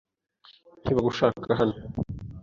Ntibagushaka hano.